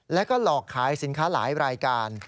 แล้วก็หลอกขายสินค้าหลายรายการ